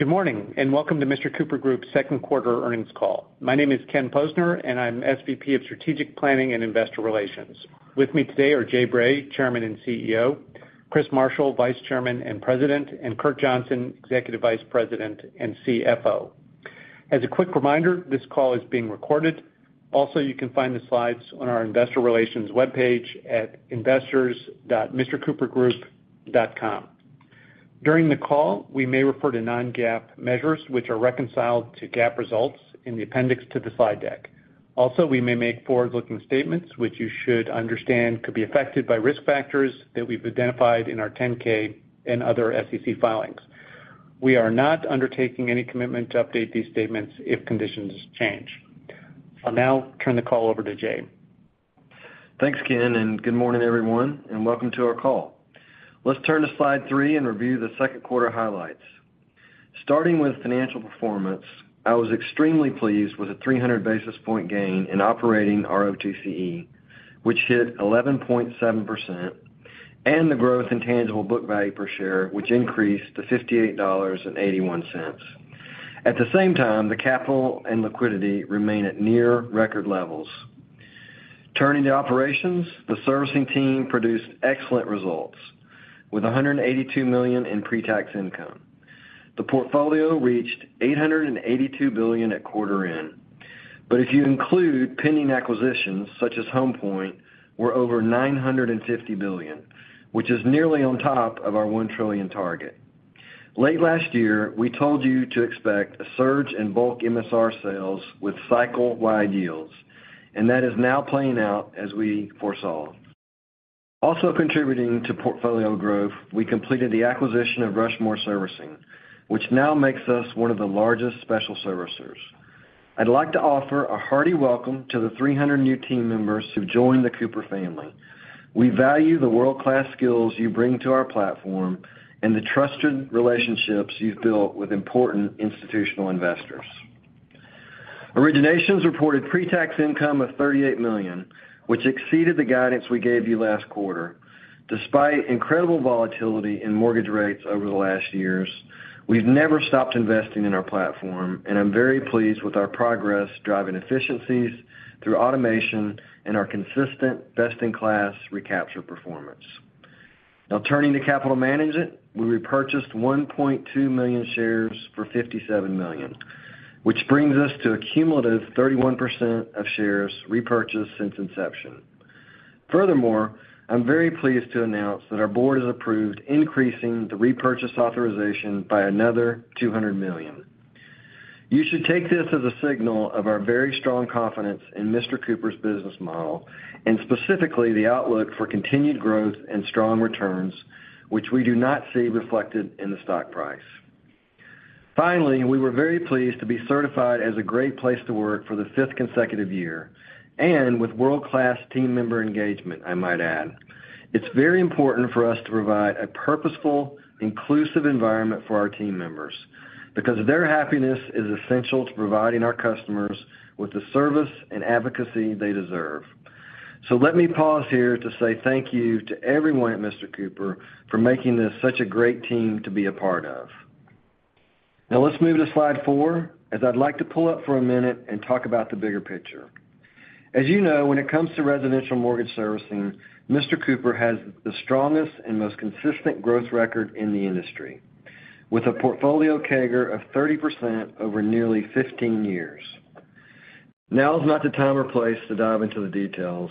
Good morning, welcome to Mr. Cooper Group's second quarter earnings call. My name is Ken Posner, and I'm SVP of Strategic Planning and Investor Relations. With me today are Jay Bray, Chairman and CEO, Chris Marshall, Vice Chairman and President, and Kurt Johnson, Executive Vice President and CFO. As a quick reminder, this call is being recorded. You can find the slides on our investor relations webpage at investors.mrcoopergroup.com. During the call, we may refer to non-GAAP measures, which are reconciled to GAAP results in the appendix to the slide deck. We may make forward-looking statements, which you should understand could be affected by risk factors that we've identified in our 10-K and other SEC filings. We are not undertaking any commitment to update these statements if conditions change. I'll now turn the call over to Jay. Thanks, Ken, and good morning, everyone, and welcome to our call. Let's turn to slide three and review the second quarter highlights. Starting with financial performance, I was extremely pleased with a 300 basis point gain in operating ROTCE, which hit 11.7%, and the growth in tangible book value per share, which increased to $58.81. At the same time, the capital and liquidity remain at near record levels. Turning to operations, the servicing team produced excellent results with $182 million in pretax income. The portfolio reached $882 billion at quarter end. If you include pending acquisitions, such as Homepoint, we're over $950 billion, which is nearly on top of our $1 trillion target. Late last year, we told you to expect a surge in bulk MSR sales with cycle-wide yields, and that is now playing out as we foresaw. Also contributing to portfolio growth, we completed the acquisition of Rushmore Servicing, which now makes us one of the largest special servicers. I'd like to offer a hearty welcome to the 300 new team members who joined the Cooper family. We value the world-class skills you bring to our platform and the trusted relationships you've built with important institutional investors. Originations reported pretax income of $38 million, which exceeded the guidance we gave you last quarter. Despite incredible volatility in mortgage rates over the last years, we've never stopped investing in our platform, and I'm very pleased with our progress driving efficiencies through automation and our consistent best-in-class recapture performance. Turning to capital management, we repurchased 1.2 million shares for $57 million, which brings us to a cumulative 31% of shares repurchased since inception. Furthermore, I'm very pleased to announce that our board has approved increasing the repurchase authorization by another $200 million. You should take this as a signal of our very strong confidence in Mr. Cooper's business model, and specifically the outlook for continued growth and strong returns, which we do not see reflected in the stock price. We were very pleased to be certified as a Great Place To Work for the fifth consecutive year, and with world-class team member engagement, I might add. It's very important for us to provide a purposeful, inclusive environment for our team members, because their happiness is essential to providing our customers with the service and advocacy they deserve. Let me pause here to say thank you to everyone at Mr. Cooper for making this such a great team to be a part of. Let's move to slide four, as I'd like to pull up for a minute and talk about the bigger picture. As you know, when it comes to residential mortgage servicing, Mr. Cooper has the strongest and most consistent growth record in the industry, with a portfolio CAGR of 30% over nearly 15 years. Is not the time or place to dive into the details,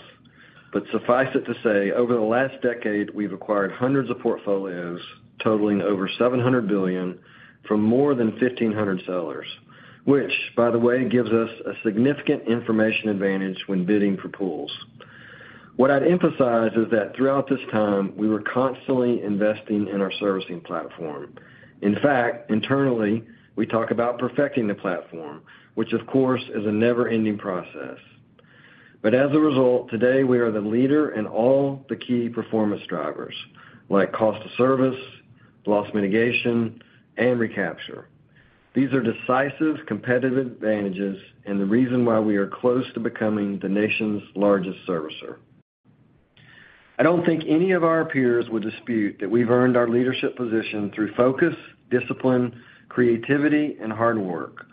but suffice it to say, over the last decade, we've acquired hundreds of portfolios, totaling over $700 billion from more than 1,500 sellers, which, by the way, gives us a significant information advantage when bidding for pools. What I'd emphasize is that throughout this time, we were constantly investing in our servicing platform. In fact, internally, we talk about perfecting the platform, which, of course, is a never-ending process. As a result, today, we are the leader in all the key performance drivers, like cost of service, loss mitigation, and recapture. These are decisive competitive advantages and the reason why we are close to becoming the nation's largest servicer. I don't think any of our peers would dispute that we've earned our leadership position through focus, discipline, creativity, and hard work,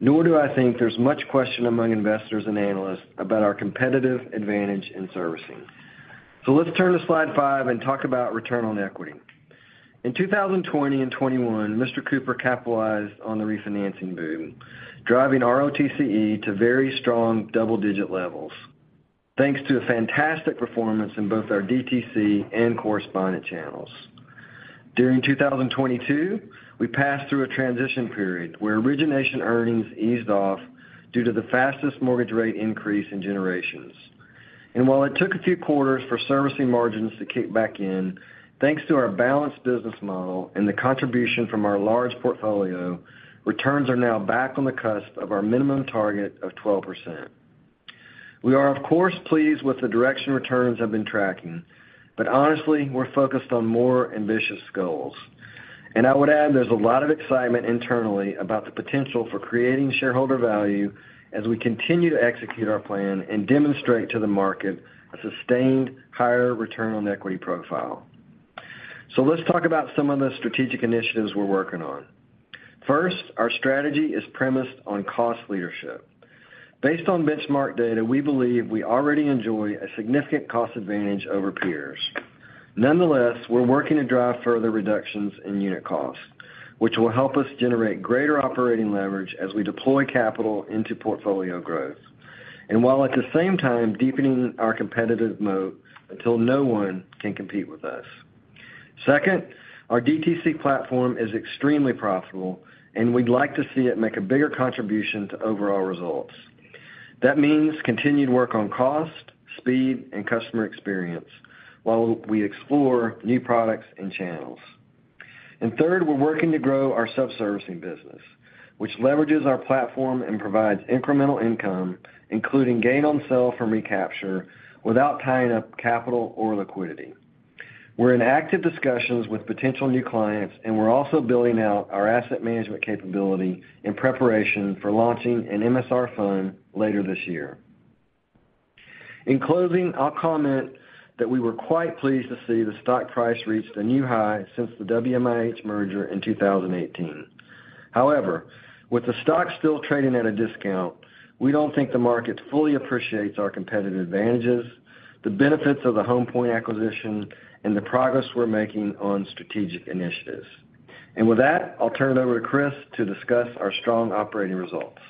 nor do I think there's much question among investors and analysts about our competitive advantage in servicing. Let's turn to slide five and talk about return on equity. In 2020 and 2021, Mr. Cooper capitalized on the refinancing boom, driving ROTCE to very strong double-digit levels, thanks to a fantastic performance in both our DTC and correspondent channels. During 2022, we passed through a transition period where origination earnings eased off due to the fastest mortgage rate increase in generations. While it took a few quarters for servicing margins to kick back in, thanks to our balanced business model and the contribution from our large portfolio, returns are now back on the cusp of our minimum target of 12%. We are, of course, pleased with the direction returns have been tracking. Honestly, we're focused on more ambitious goals. I would add, there's a lot of excitement internally about the potential for creating shareholder value as we continue to execute our plan and demonstrate to the market a sustained higher return on equity profile. Let's talk about some of the strategic initiatives we're working on. First, our strategy is premised on cost leadership. Based on benchmark data, we believe we already enjoy a significant cost advantage over peers. Nonetheless, we're working to drive further reductions in unit costs, which will help us generate greater operating leverage as we deploy capital into portfolio growth, and while at the same time, deepening our competitive moat until no one can compete with us. Second, our DTC platform is extremely profitable, and we'd like to see it make a bigger contribution to overall results. That means continued work on cost, speed, and customer experience, while we explore new products and channels. Third, we're working to grow our sub-servicing business, which leverages our platform and provides incremental income, including gain on sale from recapture, without tying up capital or liquidity. We're in active discussions with potential new clients, and we're also building out our asset management capability in preparation for launching an MSR fund later this year. In closing, I'll comment that we were quite pleased to see the stock price reach a new high since the WMIH merger in 2018. However, with the stock still trading at a discount, we don't think the market fully appreciates our competitive advantages, the benefits of the Homepoint acquisition, and the progress we're making on strategic initiatives. With that, I'll turn it over to Chris to discuss our strong operating results.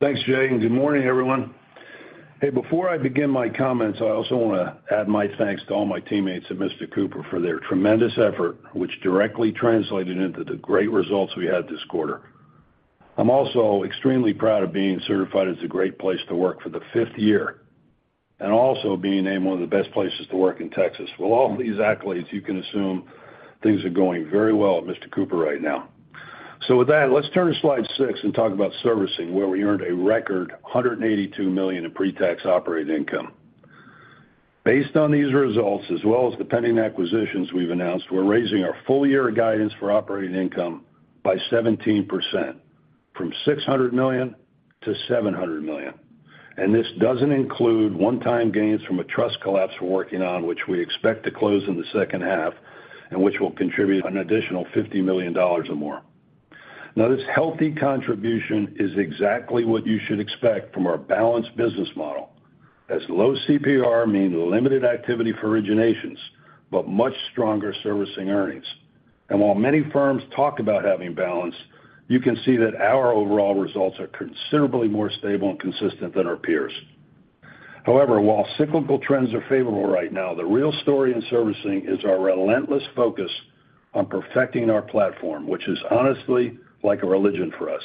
Thanks, Jay. Good morning, everyone. Hey, before I begin my comments, I also want to add my thanks to all my teammates at Mr. Cooper for their tremendous effort, which directly translated into the great results we had this quarter. I'm also extremely proud of being certified as a Great Place To Work for the fifth year, also being named one of the best places to work in Texas. With all these accolades, you can assume things are going very well at Mr. Cooper right now. With that, let's turn to slide six and talk about servicing, where we earned a record, $182 million in pretax operating income. Based on these results, as well as the pending acquisitions we've announced, we're raising our full-year guidance for operating income by 17%, from $600 million to $700 million. This doesn't include one-time gains from a trust collapse we're working on, which we expect to close in the second half, and which will contribute an additional $50 million or more. This healthy contribution is exactly what you should expect from our balanced business model, as low CPR mean limited activity for originations, but much stronger servicing earnings. While many firms talk about having balance, you can see that our overall results are considerably more stable and consistent than our peers. However, while cyclical trends are favorable right now, the real story in servicing is our relentless focus on perfecting our platform, which is honestly like a religion for us.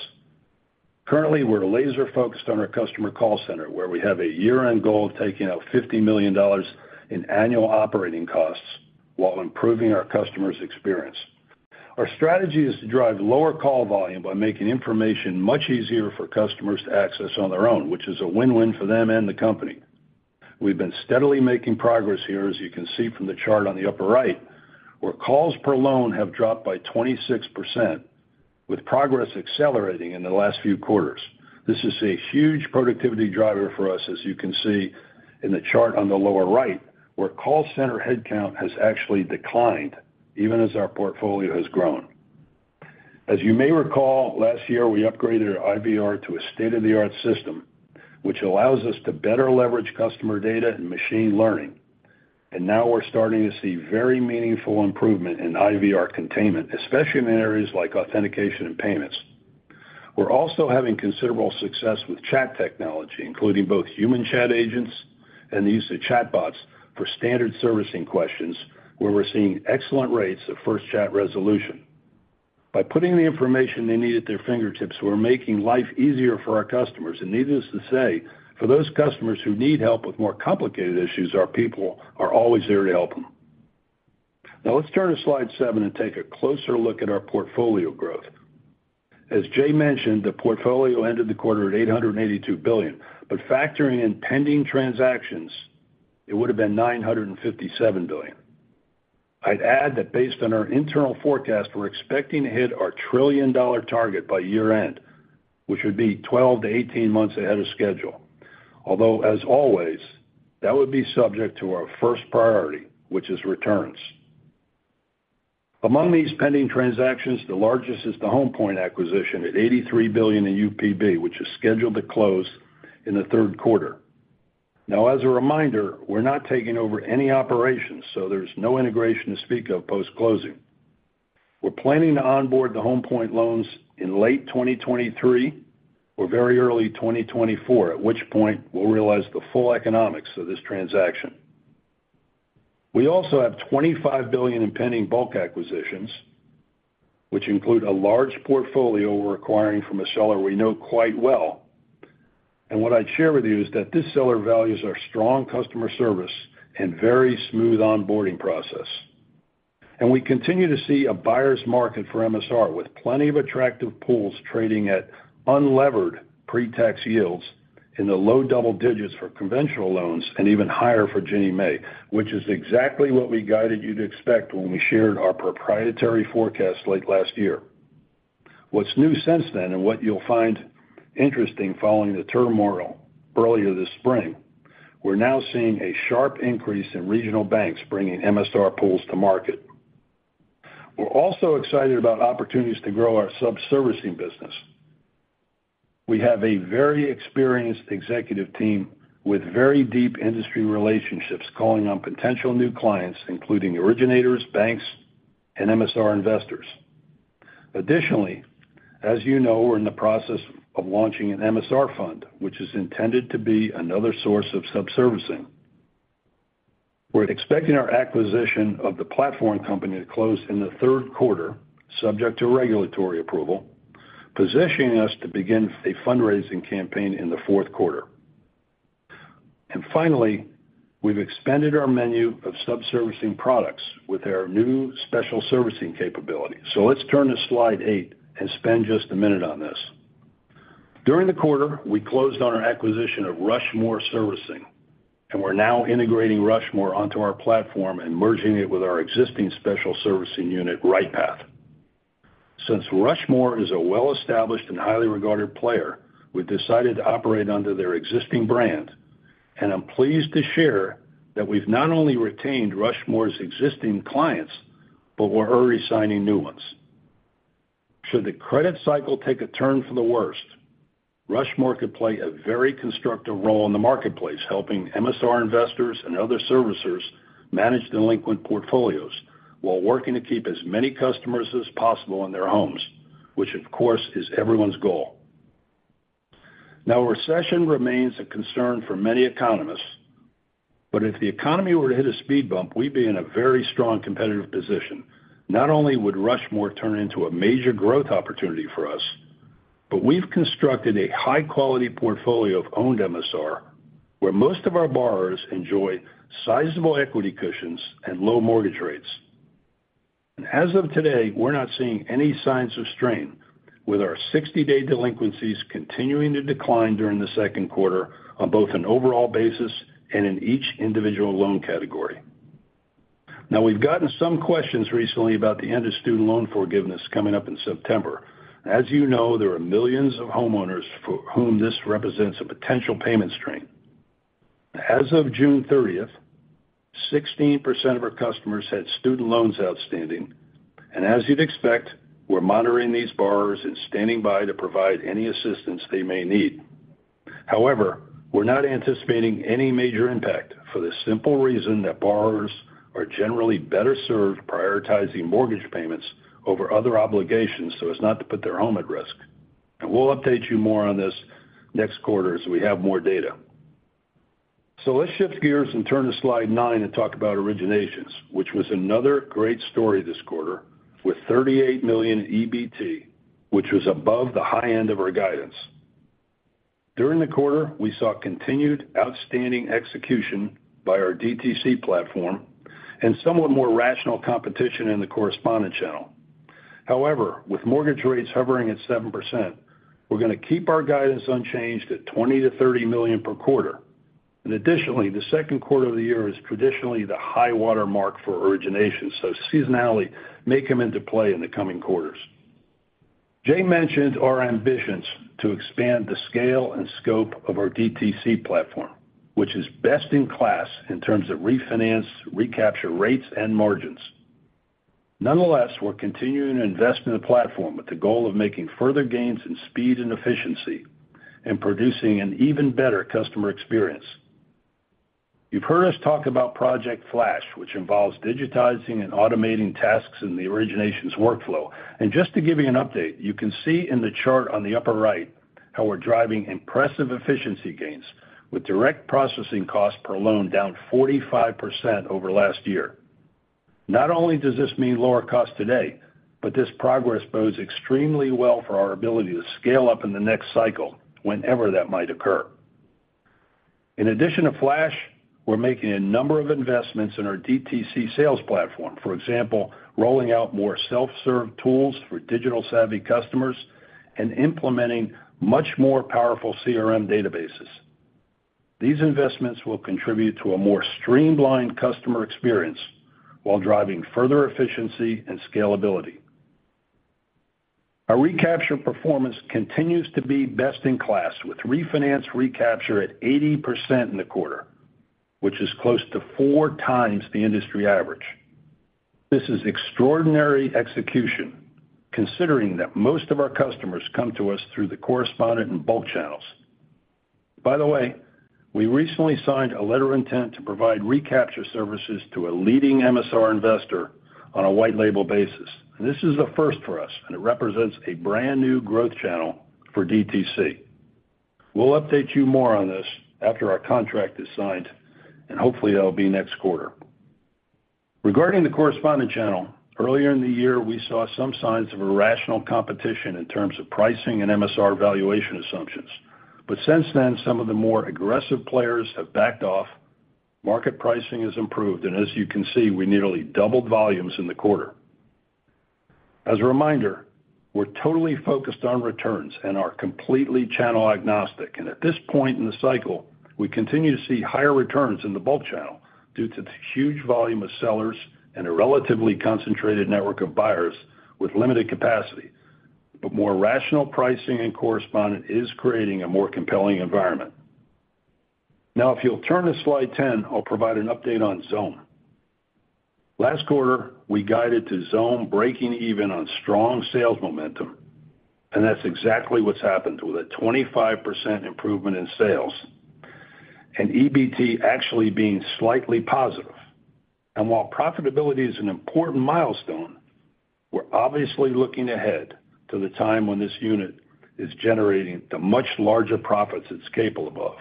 Currently, we're laser-focused on our customer call center, where we have a year-end goal of taking out $50 million in annual operating costs while improving our customers' experience. Our strategy is to drive lower call volume by making information much easier for customers to access on their own, which is a win-win for them and the company. We've been steadily making progress here, as you can see from the chart on the upper right, where calls per loan have dropped by 26%, with progress accelerating in the last few quarters. This is a huge productivity driver for us, as you can see in the chart on the lower right, where call center headcount has actually declined, even as our portfolio has grown. As you may recall, last year, we upgraded our IVR to a state-of-the-art system, which allows us to better leverage customer data and machine learning. Now we're starting to see very meaningful improvement in IVR containment, especially in areas like authentication and payments. We're also having considerable success with chat technology, including both human chat agents and the use of chatbots for standard servicing questions, where we're seeing excellent rates of first chat resolution. By putting the information they need at their fingertips, we're making life easier for our customers. Needless to say, for those customers who need help with more complicated issues, our people are always there to help them. Let's turn to slide seven and take a closer look at our portfolio growth. As Jay mentioned, the portfolio ended the quarter at $882 billion, but factoring in pending transactions, it would have been $957 billion. I'd add that based on our internal forecast, we're expecting to hit our $1 trillion target by year-end, which would be 12-18 months ahead of schedule. Although, as always, that would be subject to our first priority, which is returns. Among these pending transactions, the largest is the Homepoint acquisition at $83 billion in UPB, which is scheduled to close in the third quarter. Now, as a reminder, we're not taking over any operations, so there's no integration to speak of post-closing. We're planning to onboard the Homepoint loans in late 2023 or very early 2024, at which point we'll realize the full economics of this transaction. We also have $25 billion in pending bulk acquisitions, which include a large portfolio we're acquiring from a seller we know quite well. What I'd share with you is that this seller values our strong customer service and very smooth onboarding process. We continue to see a buyer's market for MSR, with plenty of attractive pools trading at unlevered pre-tax yields in the low double digits for conventional loans and even higher for Ginnie Mae, which is exactly what we guided you to expect when we shared our proprietary forecast late last year. What's new since then, what you'll find interesting following the turmoil earlier this spring, we're now seeing a sharp increase in regional banks bringing MSR pools to market. We're also excited about opportunities to grow our sub-servicing business. We have a very experienced executive team with very deep industry relationships, calling on potential new clients, including originators, banks, and MSR investors. As you know, we're in the process of launching an MSR fund, which is intended to be another source of sub-servicing. We're expecting our acquisition of the platform company to close in the third quarter, subject to regulatory approval, positioning us to begin a fundraising campaign in the fourth quarter. Finally, we've expanded our menu of sub-servicing products with our new special servicing capabilities. Let's turn to slide eight and spend just a minute on this. During the quarter, we closed on our acquisition of Rushmore Servicing, and we're now integrating Rushmore onto our platform and merging it with our existing special servicing unit, RightPath. Since Rushmore is a well-established and highly regarded player, we decided to operate under their existing brand, and I'm pleased to share that we've not only retained Rushmore's existing clients, but we're already signing new ones. Should the credit cycle take a turn for the worst, Rushmore could play a very constructive role in the marketplace, helping MSR investors and other servicers manage delinquent portfolios while working to keep as many customers as possible in their homes, which, of course, is everyone's goal. Recession remains a concern for many economists, but if the economy were to hit a speed bump, we'd be in a very strong competitive position. Not only would Rushmore turn into a major growth opportunity for us, but we've constructed a high-quality portfolio of owned MSR, where most of our borrowers enjoy sizable equity cushions and low mortgage rates. As of today, we're not seeing any signs of strain, with our 60-day delinquencies continuing to decline during the second quarter on both an overall basis and in each individual loan category. We've gotten some questions recently about the end of student loan forgiveness coming up in September. As you know, there are millions of homeowners for whom this represents a potential payment strain. As of June 30th, 16% of our customers had student loans outstanding, and as you'd expect, we're monitoring these borrowers and standing by to provide any assistance they may need. We're not anticipating any major impact for the simple reason that borrowers are generally better served prioritizing mortgage payments over other obligations, so as not to put their home at risk. We'll update you more on this next quarter as we have more data. Let's shift gears and turn to slide nine and talk about originations, which was another great story this quarter, with $38 million EBT, which was above the high end of our guidance. During the quarter, we saw continued outstanding execution by our DTC platform and somewhat more rational competition in the correspondent channel. With mortgage rates hovering at 7%, we're gonna keep our guidance unchanged at $20 million-$30 million per quarter. Additionally, the second quarter of the year is traditionally the high water mark for origination, seasonality may come into play in the coming quarters. Jay mentioned our ambitions to expand the scale and scope of our DTC platform, which is best-in-class in terms of refinance, recapture rates, and margins. Nonetheless, we're continuing to invest in the platform with the goal of making further gains in speed and efficiency and producing an even better customer experience. You've heard us talk about Project Flash, which involves digitizing and automating tasks in the originations workflow. Just to give you an update, you can see in the chart on the upper right how we're driving impressive efficiency gains, with direct processing costs per loan down 45% over last year. Not only does this mean lower costs today, but this progress bodes extremely well for our ability to scale up in the next cycle, whenever that might occur. In addition to Flash, we're making a number of investments in our DTC sales platform. For example, rolling out more self-serve tools for digital-savvy customers and implementing much more powerful CRM databases. These investments will contribute to a more streamlined customer experience while driving further efficiency and scalability. Our recapture performance continues to be best in class, with refinance recapture at 80% in the quarter, which is close to 4x the industry average. This is extraordinary execution, considering that most of our customers come to us through the correspondent and bulk channels. We recently signed a letter of intent to provide recapture services to a leading MSR investor on a white label basis. This is a first for us, and it represents a brand-new growth channel for DTC. We'll update you more on this after our contract is signed, and hopefully, that'll be next quarter. Regarding the correspondent channel, earlier in the year, we saw some signs of irrational competition in terms of pricing and MSR valuation assumptions, but since then, some of the more aggressive players have backed off, market pricing has improved, and as you can see, we nearly doubled volumes in the quarter. As a reminder, we're totally focused on returns and are completely channel agnostic. At this point in the cycle, we continue to see higher returns in the bulk channel due to the huge volume of sellers and a relatively concentrated network of buyers with limited capacity. More rational pricing in correspondent is creating a more compelling environment. If you'll turn to slide 10, I'll provide an update on Xome. Last quarter, we guided to Xome breaking even on strong sales momentum, that's exactly what's happened, with a 25% improvement in sales and EBT actually being slightly positive. While profitability is an important milestone, we're obviously looking ahead to the time when this unit is generating the much larger profits it's capable of.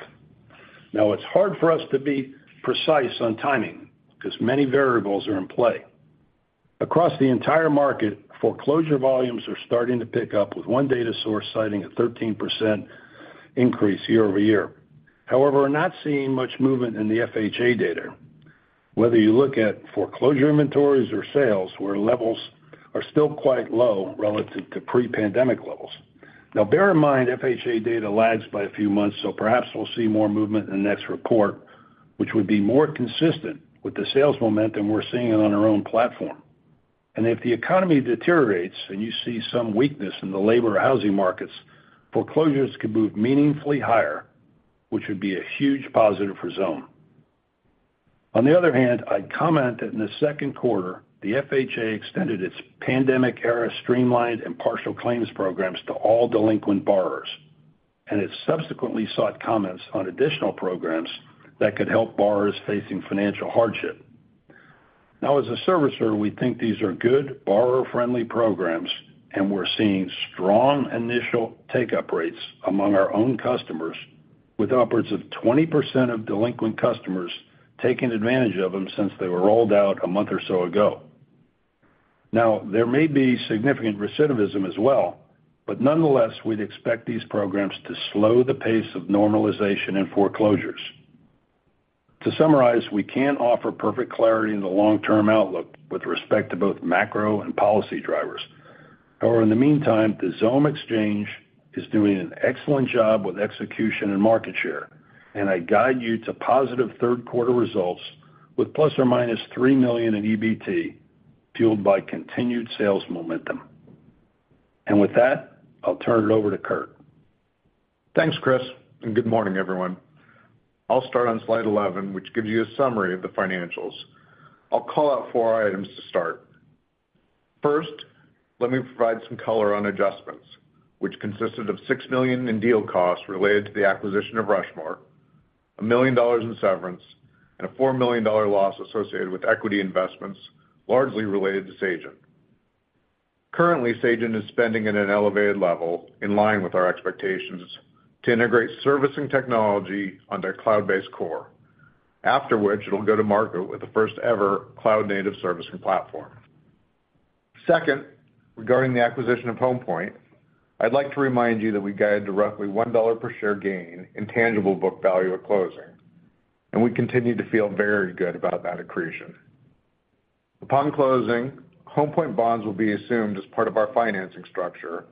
It's hard for us to be precise on timing, 'cause many variables are in play. Across the entire market, foreclosure volumes are starting to pick up, with one data source citing a 13% increase year-over-year. We're not seeing much movement in the FHA data, whether you look at foreclosure inventories or sales, where levels are still quite low relative to pre-pandemic levels. Bear in mind, FHA data lags by a few months, so perhaps we'll see more movement in the next report, which would be more consistent with the sales momentum we're seeing on our own platform. If the economy deteriorates, and you see some weakness in the labor or housing markets, foreclosures could move meaningfully higher, which would be a huge positive for Xome. I'd comment that in the second quarter, the FHA extended its pandemic-era streamlined and partial claims programs to all delinquent borrowers. It subsequently sought comments on additional programs that could help borrowers facing financial hardship. As a servicer, we think these are good, borrower-friendly programs. We're seeing strong initial take-up rates among our own customers, with upwards of 20% of delinquent customers taking advantage of them since they were rolled out a month or so ago. There may be significant recidivism as well. Nonetheless, we'd expect these programs to slow the pace of normalization in foreclosures. To summarize, we can't offer perfect clarity in the long-term outlook with respect to both macro and policy drivers. However, in the meantime, the Xome Exchange is doing an excellent job with execution and market share, and I guide you to positive third quarter results with ±$3 million in EBT, fueled by continued sales momentum. With that, I'll turn it over to Kurt. Thanks, Chris. Good morning, everyone. I'll start on slide 11, which gives you a summary of the financials. I'll call out four items to start. First, let me provide some color on adjustments, which consisted of $6 million in deal costs related to the acquisition of Rushmore, $1 million in severance, and a $4 million loss associated with equity investments, largely related to Sagent. Currently, Sagent is spending at an elevated level, in line with our expectations, to integrate servicing technology on their cloud-based core, after which it'll go to market with the first-ever cloud-native servicing platform. Second, regarding the acquisition of Homepoint, I'd like to remind you that we guided to roughly $1 per share gain in tangible book value at closing. We continue to feel very good about that accretion. Upon closing, Homepoint bonds will be assumed as part of our financing structure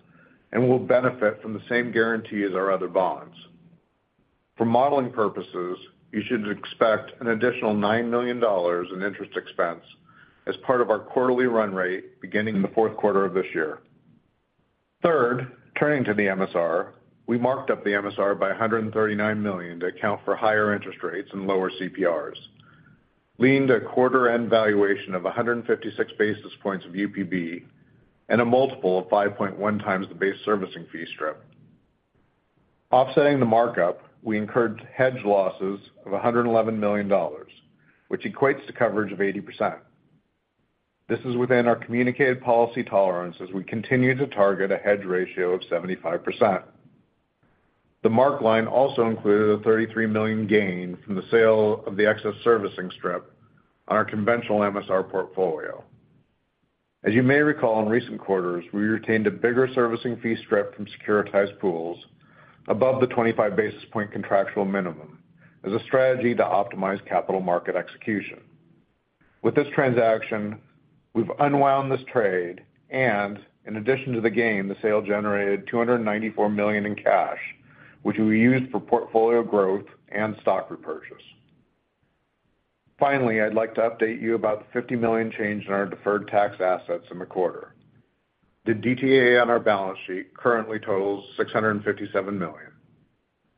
and will benefit from the same guarantee as our other bonds. For modeling purposes, you should expect an additional $9 million in interest expense as part of our quarterly run rate, beginning in the fourth quarter of this year. Third, turning to the MSR, we marked up the MSR by $139 million to account for higher interest rates and lower CPRs, leaned a quarter-end valuation of 156 basis points of UPB and a multiple of 5.1x the base servicing fee strip. Offsetting the markup, we incurred hedge losses of $111 million, which equates to coverage of 80%. This is within our communicated policy tolerance as we continue to target a hedge ratio of 75%. The mark line also included a $33 million gain from the sale of the excess servicing strip on our conventional MSR portfolio. As you may recall, in recent quarters, we retained a bigger servicing fee strip from securitized pools above the 25 basis point contractual minimum as a strategy to optimize capital market execution. With this transaction, we've unwound this trade, and in addition to the gain, the sale generated $294 million in cash, which will be used for portfolio growth and stock repurchase. Finally, I'd like to update you about the $50 million change in our deferred tax assets in the quarter. The DTA on our balance sheet currently totals $657 million.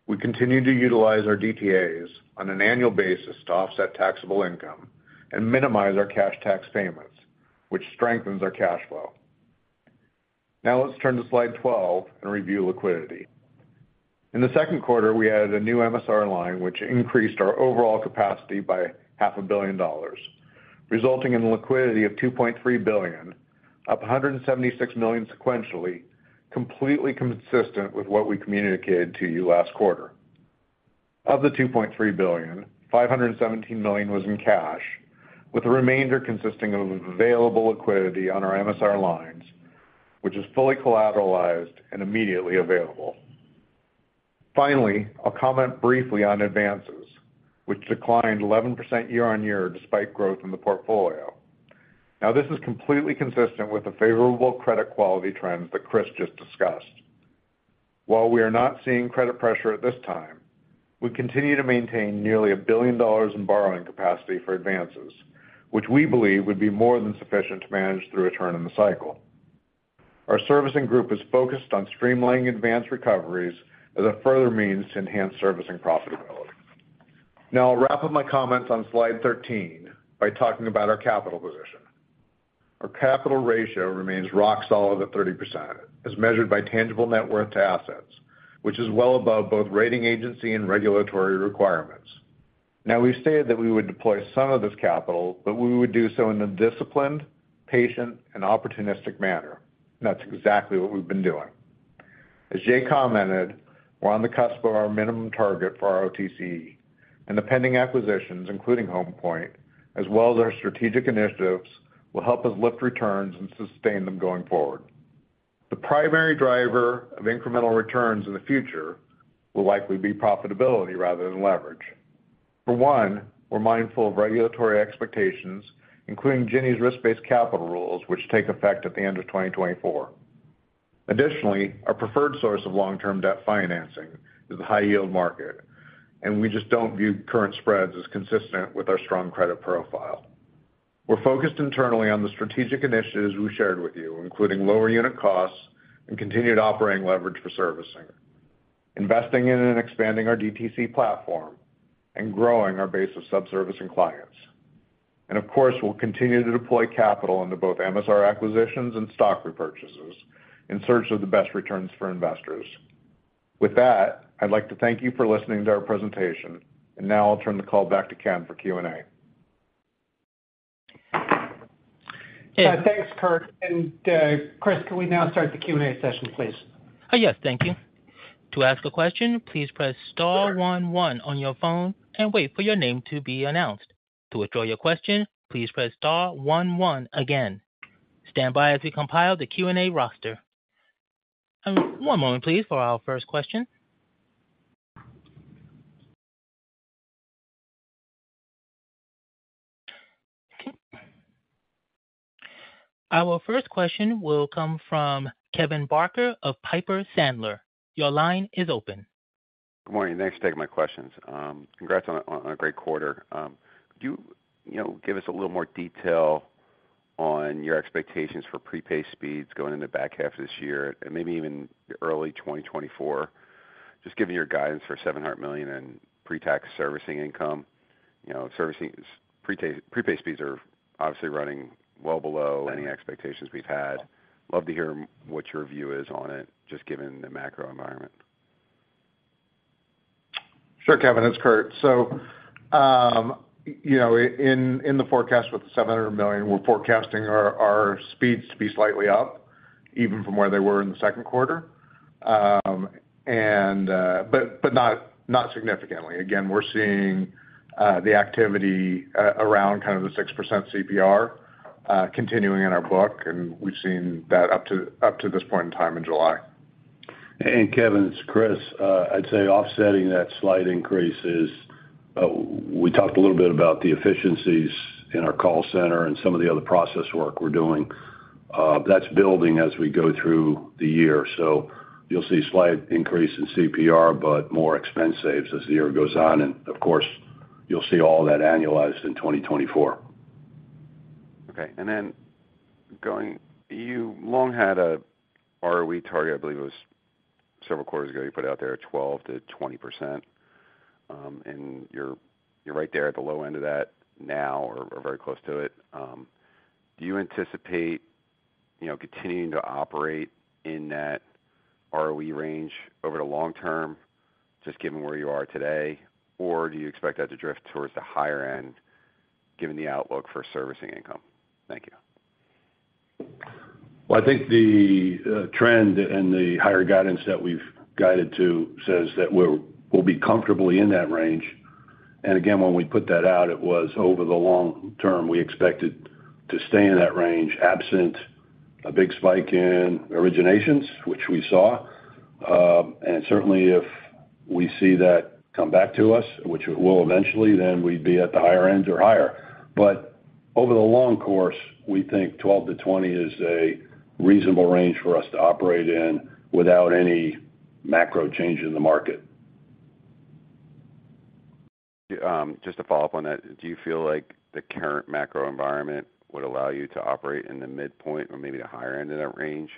We continue to utilize our DTAs on an annual basis to offset taxable income and minimize our cash tax payments, which strengthens our cash flow. Let's turn to slide 12 and review liquidity. In the second quarter, we added a new MSR line, which increased our overall capacity by $500 million, resulting in liquidity of $2.3 billion, up $176 million sequentially, completely consistent with what we communicated to you last quarter. Of the $2.3 billion, $517 million was in cash, with the remainder consisting of available liquidity on our MSR lines, which is fully collateralized and immediately available. I'll comment briefly on advances, which declined 11% year on year, despite growth in the portfolio. This is completely consistent with the favorable credit quality trends that Chris just discussed. We are not seeing credit pressure at this time, we continue to maintain nearly $1 billion in borrowing capacity for advances, which we believe would be more than sufficient to manage through a turn in the cycle. Our servicing group is focused on streamlining advance recoveries as a further means to enhance servicing profitability. I'll wrap up my comments on slide 13 by talking about our capital position. Our capital ratio remains rock solid at 30%, as measured by tangible net worth to assets, which is well above both rating agency and regulatory requirements. We've stated that we would deploy some of this capital, but we would do so in a disciplined, patient, and opportunistic manner. That's exactly what we've been doing. As Jay commented, we're on the cusp of our minimum target for our ROTCE, and the pending acquisitions, including Homepoint, as well as our strategic initiatives, will help us lift returns and sustain them going forward. The primary driver of incremental returns in the future will likely be profitability rather than leverage. For one, we're mindful of regulatory expectations, including Ginnie's risk-based capital rules, which take effect at the end of 2024. Additionally, our preferred source of long-term debt financing is the high yield market, and we just don't view current spreads as consistent with our strong credit profile. We're focused internally on the strategic initiatives we shared with you, including lower unit costs and continued operating leverage for servicing, investing in and expanding our DTC platform, and growing our base of sub-servicing clients. Of course, we'll continue to deploy capital into both MSR acquisitions and stock repurchases in search of the best returns for investors. With that, I'd like to thank you for listening to our presentation. Now I'll turn the call back to Ken for Q&A. Thanks, Kurt, and, Chris, can we now start the Q&A session, please? Yes, thank you. To ask a question, please press star one one on your phone and wait for your name to be announced. To withdraw your question, please press star one one again. Stand by as we compile the Q&A roster. One moment, please, for our first question. Our first question will come from Kevin Barker of Piper Sandler. Your line is open. Good morning. Thanks for taking my questions. Congrats on a great quarter. Could you know, give us a little more detail on your expectations for prepay speeds going into the back half of this year and maybe even early 2024? Just given your guidance for $700 million in pre-tax servicing income, you know, servicing prepay speeds are obviously running well below any expectations we've had. Love to hear what your view is on it, just given the macro environment. Sure, Kevin, it's Kurt. you know, in the forecast with the $700 million, we're forecasting our speeds to be slightly up, even from where they were in the second quarter. not significantly. Again, we're seeing the activity around kind of the 6% CPR continuing in our book, and we've seen that up to this point in time in July. Kevin, it's Chris. I'd say offsetting that slight increase is, we talked a little bit about the efficiencies in our call center and some of the other process work we're doing. That's building as we go through the year. You'll see a slight increase in CPR, but more expense saves as the year goes on. Of course, you'll see all that annualized in 2024. Then you long had a ROE target, I believe it was several quarters ago, you put out there 12%-20%, you're right there at the low end of that now or very close to it. Do you anticipate, you know, continuing to operate in that ROE range over the long term, just given where you are today? Do you expect that to drift towards the higher end, given the outlook for servicing income? Thank you. Well, I think the trend and the higher guidance that we've guided to says that we'll be comfortably in that range. Again, when we put that out, it was over the long term, we expected to stay in that range, absent a big spike in originations, which we saw. Certainly if we see that come back to us, which it will eventually, then we'd be at the higher end or higher. Over the long course, we think 12%-20% is a reasonable range for us to operate in without any macro change in the market. Just to follow up on that, do you feel like the current macro environment would allow you to operate in the midpoint or maybe the higher end of that range,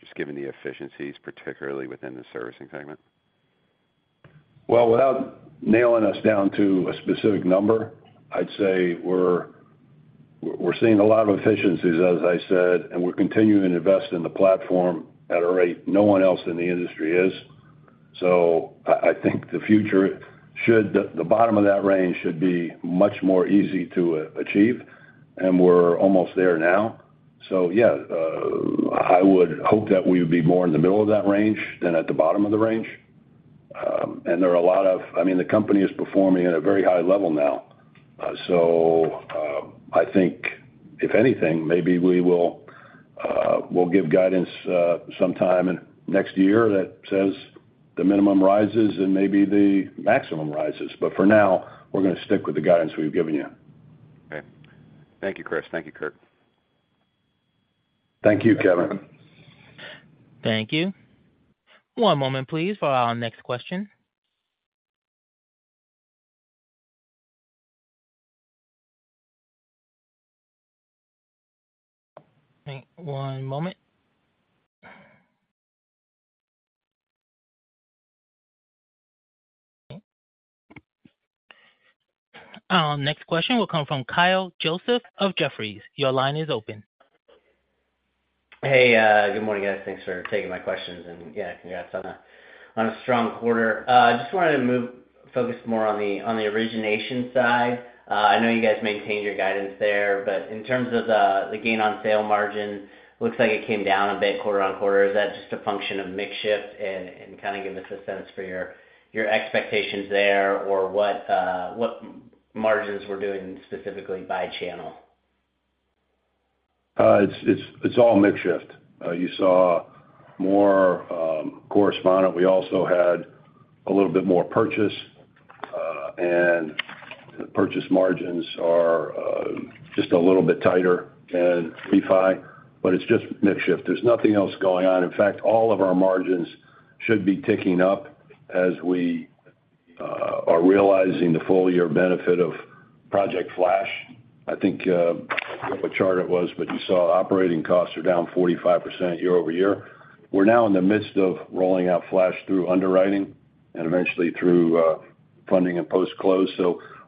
just given the efficiencies, particularly within the servicing segment? Well, without nailing us down to a specific number, I'd say we're seeing a lot of efficiencies, as I said, we're continuing to invest in the platform at a rate no one else in the industry is. I think the future should the bottom of that range should be much more easy to achieve, we're almost there now. Yeah, I would hope that we would be more in the middle of that range than at the bottom of the range. I mean, the company is performing at a very high level now. I think if anything, maybe we will we'll give guidance sometime in next year that says the minimum rises and maybe the maximum rises. For now, we're gonna stick with the guidance we've given you. Okay. Thank you, Chris. Thank you, Kurt. Thank you, Kevin. Thank you. One moment, please, for our next question. One moment. Our next question will come from Kyle Joseph of Jefferies. Your line is open. Hey, good morning, guys. Thanks for taking my questions. Yeah, congrats on a strong quarter. I just wanted to focus more on the origination side. I know you guys maintained your guidance there, but in terms of the gain on sale margin, looks like it came down a bit quarter-on-quarter. Is that just a function of mix shift and kind of give us a sense for your expectations there or what margins we're doing specifically by channel? It's all mix shift. You saw more correspondent. We also had a little bit more purchase, and the purchase margins are just a little bit tighter than refi, but it's just mix shift. There's nothing else going on. In fact, all of our margins should be ticking up as we are realizing the full year benefit of Project Flash. I think, I forget what chart it was, but you saw operating costs are down 45% year-over-year. We're now in the midst of rolling out Flash through underwriting and eventually through funding and post-close.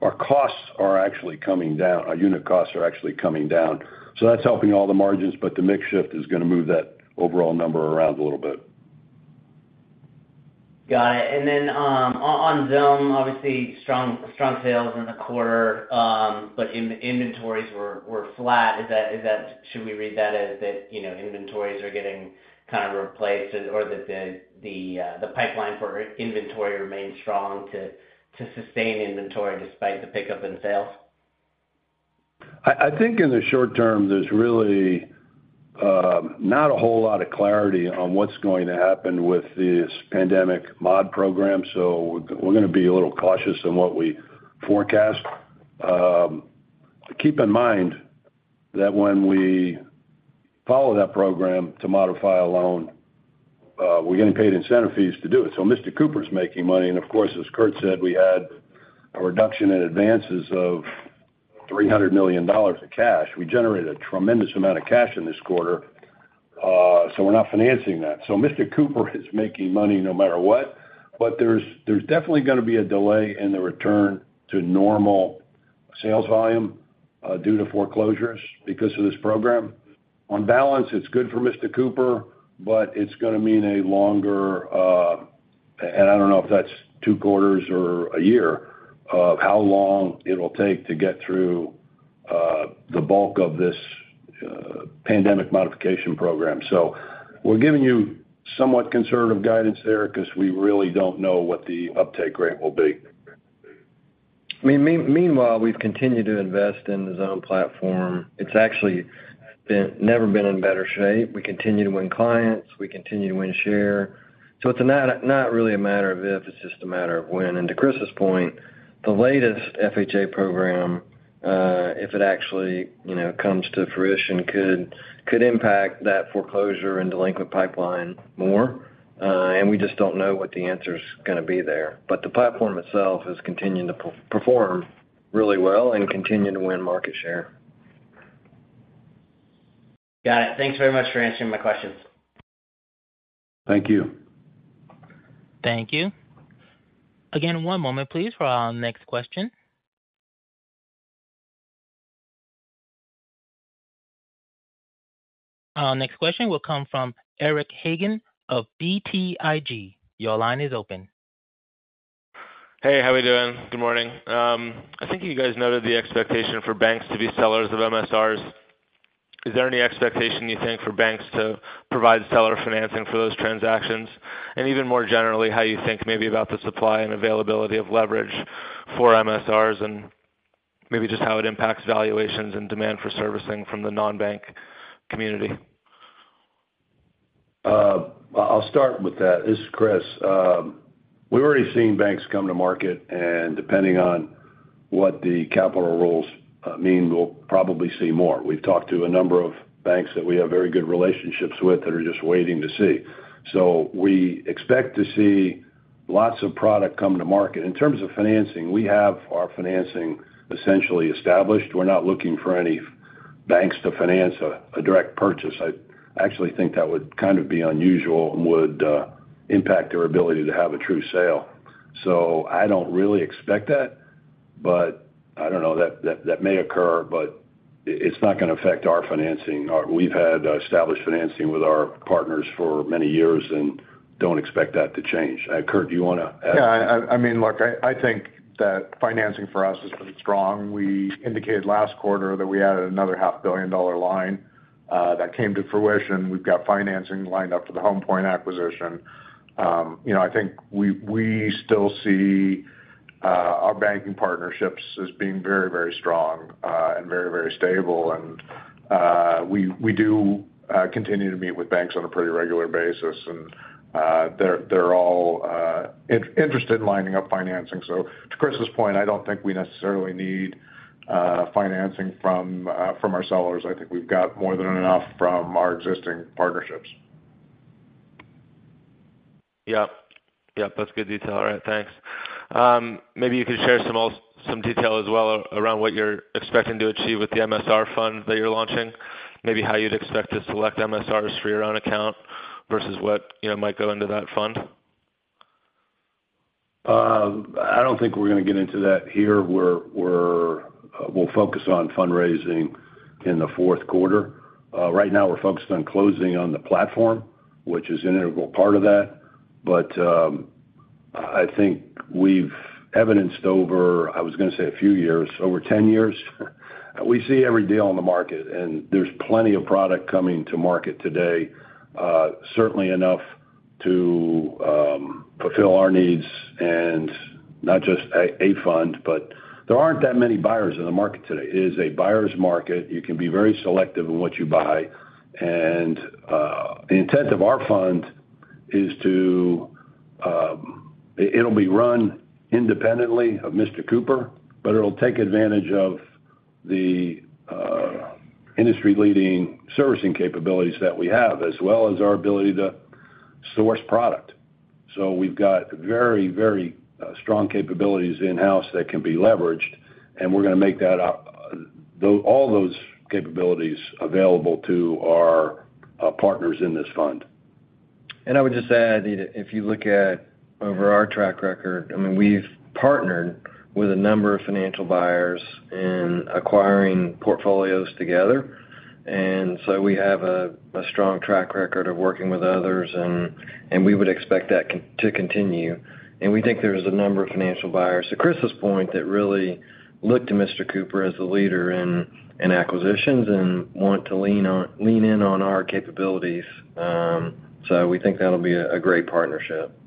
Our costs are actually coming down. Our unit costs are actually coming down, so that's helping all the margins, but the mix shift is gonna move that overall number around a little bit. Got it. On Xome, obviously, strong sales in the quarter. Inventories were flat. Is that should we read that as that, you know, inventories are getting kind of replaced or that the pipeline for inventory remains strong to sustain inventory despite the pickup in sales? I think in the short term, there's really not a whole lot of clarity on what's going to happen with this pandemic mod program, so we're gonna be a little cautious on what we forecast. Keep in mind that when we follow that program to modify a loan, we're getting paid incentive fees to do it. Mr. Cooper is making money. Of course, as Kurt said, we had a reduction in advances of $300 million in cash. We generated a tremendous amount of cash in this quarter, so we're not financing that Mr. Cooper is making money no matter what. There's definitely gonna be a delay in the return to normal sales volume due to foreclosures because of this program. On balance, it's good for Mr. Cooper, but it's gonna mean a longer. I don't know if that's two quarters or a year, of how long it'll take to get through the bulk of this pandemic modification program. We're giving you somewhat conservative guidance there 'cause we really don't know what the uptake rate will be. I mean, meanwhile, we've continued to invest in the Xome platform. It's actually never been in better shape. We continue to win clients, we continue to win share. It's not really a matter of if, it's just a matter of when. To Chris's point, the latest FHA program, if it actually, you know, comes to fruition, could impact that foreclosure and delinquent pipeline more, and we just don't know what the answer is gonna be there. The platform itself has continued to perform really well and continue to win market share. Got it. Thanks very much for answering my questions. Thank you. Thank you. Again, one moment, please, for our next question. Our next question will come from Eric Hagen of BTIG. Your line is open. Hey, how are we doing? Good morning. I think you guys noted the expectation for banks to be sellers of MSRs. Is there any expectation, you think, for banks to provide seller financing for those transactions? Even more generally, how you think maybe about the supply and availability of leverage for MSRs, and maybe just how it impacts valuations and demand for servicing from the non-bank community? I'll start with that. This is Chris. We've already seen banks come to market, and depending on what the capital rules mean, we'll probably see more. We've talked to a number of banks that we have very good relationships with, that are just waiting to see. We expect to see lots of product come to market. In terms of financing, we have our financing essentially established. We're not looking for any banks to finance a direct purchase. I actually think that would kind of be unusual and would impact our ability to have a true sale. I don't really expect that, but I don't know, that may occur, but it's not gonna affect our financing. We've had established financing with our partners for many years and don't expect that to change. Kurt, do you wanna add? Yeah, I mean, look, I think that financing for us is strong. We indicated last quarter that we added another $500 million line that came to fruition. We've got financing lined up for the Homepoint acquisition. You know, I think we still see our banking partnerships as being very, very strong and very, very stable. We do continue to meet with banks on a pretty regular basis, and they're all interested in lining up financing. To Chris's point, I don't think we necessarily need financing from our sellers. I think we've got more than enough from our existing partnerships. Yep. Yep, that's good detail. All right, thanks. Maybe you could share some detail as well around what you're expecting to achieve with the MSR fund that you're launching. Maybe how you'd expect to select MSRs for your own account versus what, you know, might go into that fund? I don't think we're gonna get into that here, we'll focus on fundraising in the fourth quarter. Right now, we're focused on closing on the platform, which is an integral part of that. I think we've evidenced over, I was gonna say a few years, over 10 years. We see every deal on the market, and there's plenty of product coming to market today, certainly enough to fulfill our needs and not just a fund, but there aren't that many buyers in the market today. It is a buyer's market. You can be very selective in what you buy. The intent of our fund is to, it'll be run independently of Mr. Cooper, but it'll take advantage of the industry-leading servicing capabilities that we have, as well as our ability to source product. We've got very, very strong capabilities in-house that can be leveraged, and we're gonna make all those capabilities available to our partners in this fund. I would just add, if you look at over our track record, I mean, we've partnered with a number of financial buyers in acquiring portfolios together. We have a strong track record of working with others, and we would expect that to continue. We think there's a number of financial buyers, to Chris's point, that really look to Mr. Cooper as a leader in acquisitions and want to lean in on our capabilities. We think that'll be a great partnership.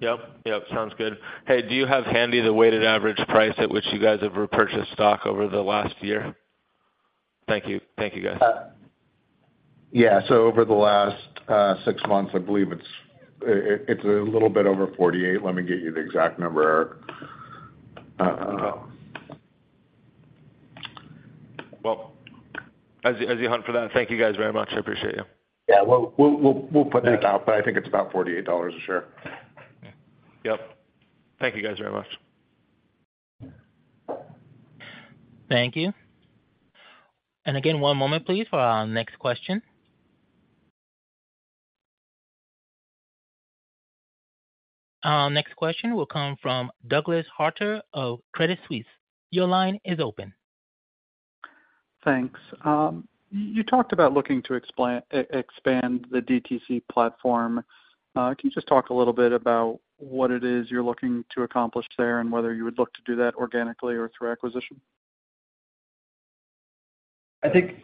Yep. Yep, sounds good. Hey, do you have handy the weighted average price at which you guys have repurchased stock over the last year? Thank you. Thank you, guys. Yeah. Over the last six months, I believe it's a little bit over 48. Let me get you the exact number, Eric. Well, as you hunt for that, thank you guys very much. I appreciate you. Yeah, we'll put that out, but I think it's about $48 a share. Yep. Thank you, guys, very much. Thank you. Again, one moment, please, for our next question. Our next question will come from Douglas Harter of Credit Suisse. Your line is open. Thanks. You talked about looking to expand the DTC platform. Can you just talk a little bit about what it is you're looking to accomplish there and whether you would look to do that organically or through acquisition? I think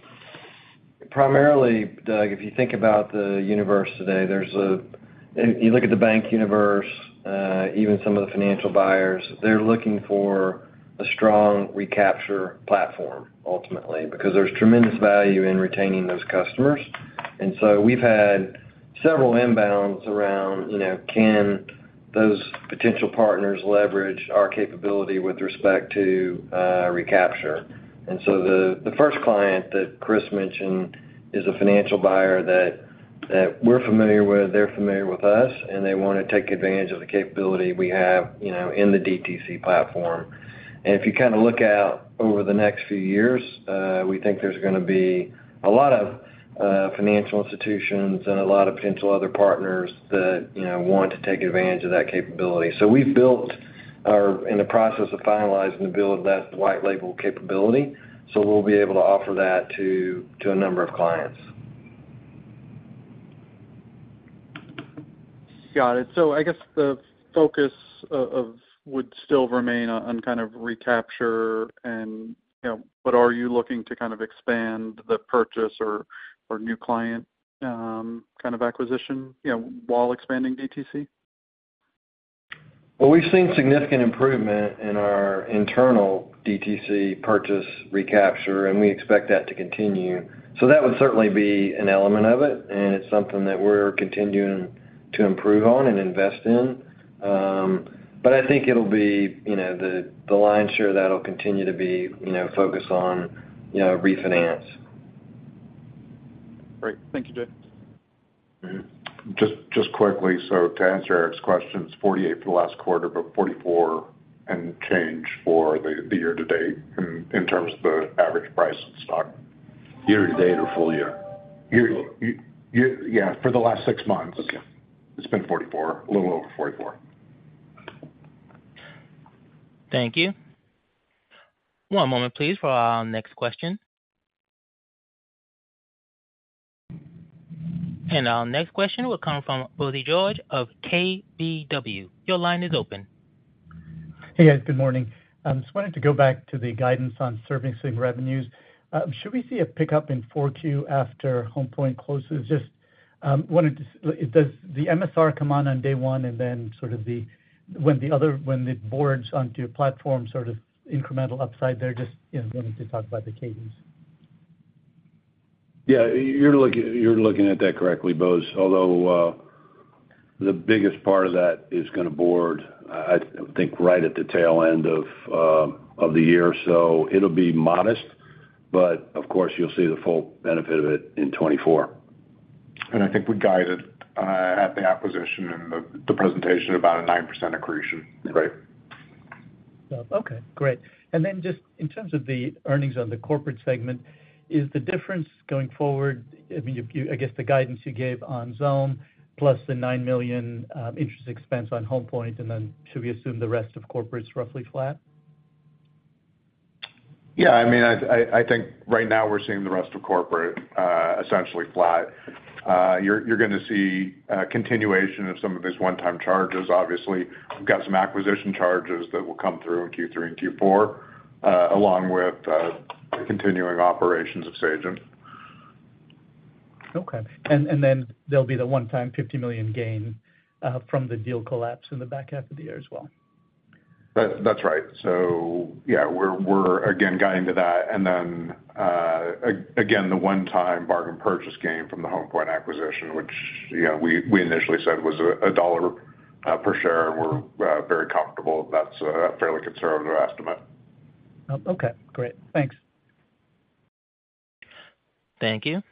primarily, Doug, if you think about the universe today, you look at the bank universe, even some of the financial buyers, they're looking for a strong recapture platform, ultimately, because there's tremendous value in retaining those customers. We've had several inbounds around, you know, can those potential partners leverage our capability with respect to recapture? The first client that Chris mentioned is a financial buyer that we're familiar with, they're familiar with us, and they wanna take advantage of the capability we have, you know, in the DTC platform. If you kind of look out over the next few years, we think there's gonna be a lot of financial institutions and a lot of potential other partners that, you know, want to take advantage of that capability. In the process of finalizing to build that white label capability, so we'll be able to offer that to a number of clients. Got it. I guess the focus of would still remain on kind of recapture and, you know, but are you looking to kind of expand the purchase or new client, kind of acquisition, you know, while expanding DTC? Well, we've seen significant improvement in our internal DTC purchase recapture, and we expect that to continue. That would certainly be an element of it, and it's something that we're continuing to improve on and invest in. I think it'll be, you know, the lion's share of that'll continue to be, you know, focused on, you know, refinance. Great. Thank you, Jay. Mm-hmm. Just quickly, to answer Eric's questions, $48 for the last quarter, but $44 and change for the year-to-date in terms of the average price of the stock. Year-to-date or full year? Year, yeah, for the last six months. Okay. It's been 44, a little over 44. Thank you. One moment, please, for our next question. Our next question will come from Bose George of KBW. Your line is open. Hey, guys, good morning. I just wanted to go back to the guidance on servicing revenues. Should we see a pickup in 4Q after Homepoint closes? Just, does the MSR come on on day one, and then when it boards onto your platform, sort of incremental upside there, you know, wanted to talk about the cadence? Yeah, you're looking at that correctly, Bose. The biggest part of that is gonna board, I think, right at the tail end of the year. It'll be modest. Of course, you'll see the full benefit of it in 2024. I think we guided, at the acquisition and the presentation about a 9% accretion. Right. Okay, great. Just in terms of the earnings on the corporate segment, is the difference going forward, I mean, I guess, the guidance you gave on Xome, plus the $9 million interest expense on Homepoint, should we assume the rest of corporate is roughly flat? I mean, I think right now we're seeing the rest of corporate, essentially flat. You're gonna see a continuation of some of these one-time charges. Obviously, we've got some acquisition charges that will come through in Q3 and Q4, along with the continuing operations of Sagent. Okay. Then there'll be the one-time $50 million gain from the deal collapse in the back half of the year as well. That's right. Yeah, we're again, guiding to that. Then, again, the one time bargain purchase gain from the Homepoint acquisition, which, you know, we initially said was $1 per share, and we're very comfortable. That's a fairly conservative estimate. Okay, great. Thanks. Thank you.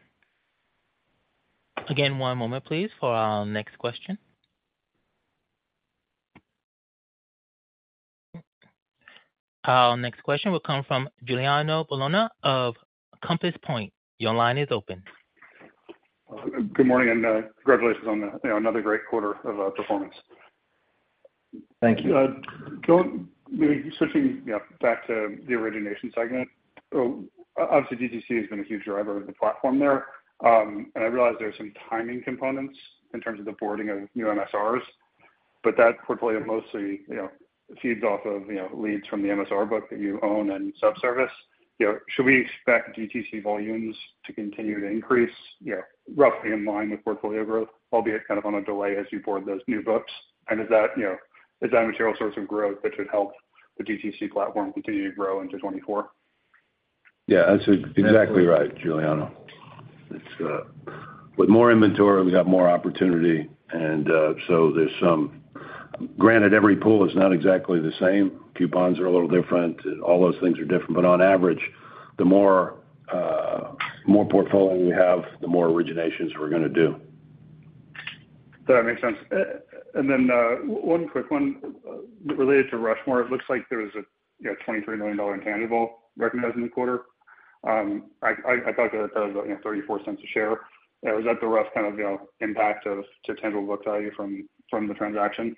Again, one moment, please, for our next question. Our next question will come from Giuliano Bologna of Compass Point. Your line is open. Good morning, and congratulations on, you know, another great quarter of performance. Thank you. Switching, you know, back to the origination segment. Obviously, DTC has been a huge driver of the platform there, and I realize there are some timing components in terms of the boarding of new MSRs, but that portfolio mostly, you know, feeds off of, you know, leads from the MSR book that you own and self-service. You know, should we expect DTC volumes to continue to increase, you know, roughly in line with portfolio growth, albeit kind of on a delay as you board those new books? Is that, you know, is that a material source of growth, which would help the DTC platform continue to grow into 2024? Yeah, that's exactly right, Giuliano. It's with more inventory, we got more opportunity. There's some... Granted, every pool is not exactly the same. Coupons are a little different, all those things are different. On average, the more portfolio we have, the more originations we're gonna do. That makes sense. One quick one related to Rushmore. It looks like there was a, you know, $23 million intangible recognized in the quarter. I thought that that was, you know, $0.34 a share. Was that the rough kind of, you know, impact of to tangible book value from the transaction?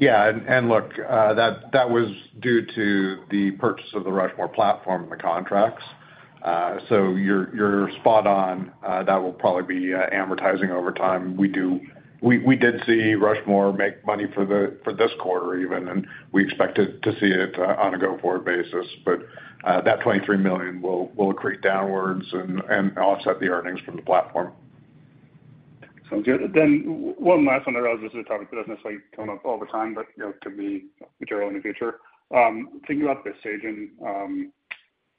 Yeah, look, that was due to the purchase of the Rushmore platform and the contracts. You're spot on, that will probably be amortizing over time. We did see Rushmore make money for the, for this quarter even, and we expected to see it on a go-forward basis. That $23 million will accrete downwards and offset the earnings from the platform. Sounds good. One last one. I realize this is a topic that doesn't necessarily come up all the time, but, you know, could be material in the future. Thinking about the Sagent,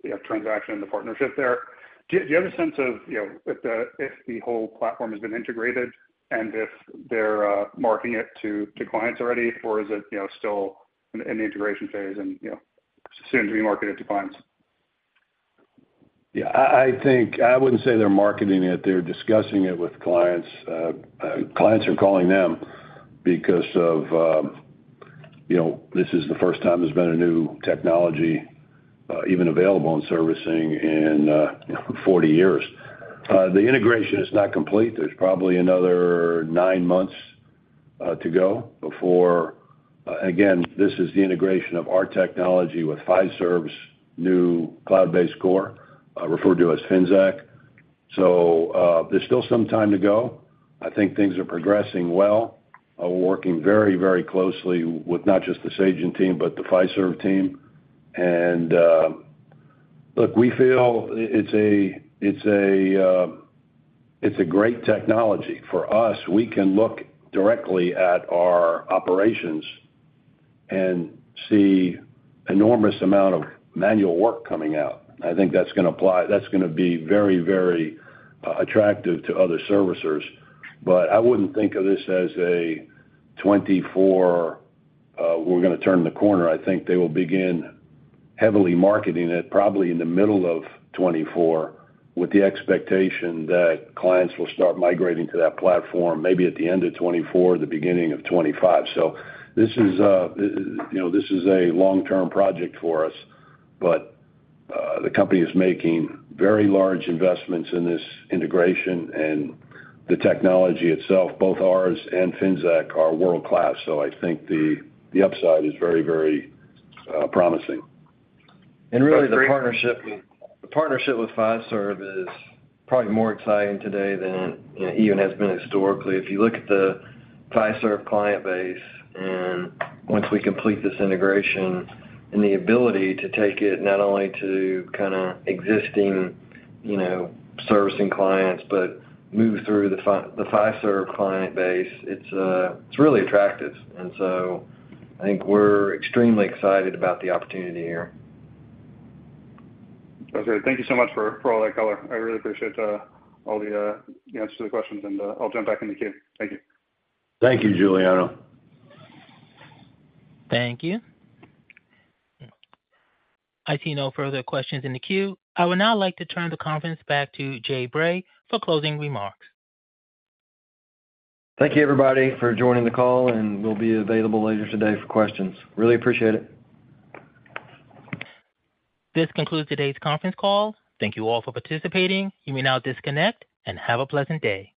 you know, transaction and the partnership there, do you have a sense of, you know, if the, if the whole platform has been integrated and if they're marketing it to clients already, or is it, you know, still in the integration phase and, you know, soon to be marketed to clients? Yeah. I think I wouldn't say they're marketing it. They're discussing it with clients. Clients are calling them because of, you know, this is the first time there's been a new technology even available in servicing in 40 years. The integration is not complete. There's probably another nine months to go before. Again, this is the integration of our technology with Fiserv's new cloud-based core referred to as Finxact. There's still some time to go. I think things are progressing well, working very closely with not just the Sagent team, but the Fiserv team. Look, we feel it's a great technology for us. We can look directly at our operations and see enormous amount of manual work coming out. I think that's gonna be very, very attractive to other servicers. I wouldn't think of this as a 2024, we're gonna turn the corner. I think they will begin heavily marketing it probably in the middle of 2024, with the expectation that clients will start migrating to that platform maybe at the end of 2024, the beginning of 2025. This is, you know, this is a long-term project for us, but the company is making very large investments in this integration and the technology itself. Both ours and Finxact are world-class, so I think the upside is very, very promising. Really, the partnership, the partnership with Fiserv is probably more exciting today than, you know, even has been historically. If you look at the Fiserv client base, once we complete this integration and the ability to take it not only to kind of existing, you know, servicing clients, but move through the Fiserv client base, it's really attractive. I think we're extremely excited about the opportunity here. Okay. Thank you so much for all that color. I really appreciate all the answers to the questions. I'll jump back in the queue. Thank you. Thank you, Giuliano. Thank you. I see no further questions in the queue. I would now like to turn the conference back to Jay Bray for closing remarks. Thank you, everybody, for joining the call, and we'll be available later today for questions. Really appreciate it. This concludes today's conference call. Thank you all for participating. You may now disconnect and have a pleasant day.